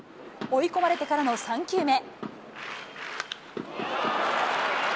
追い込まれてからの３球目。